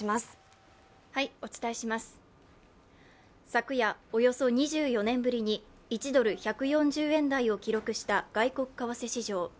昨夜、およそ２４年ぶりに１ドル＝１４０円台を記録した外国為替市場。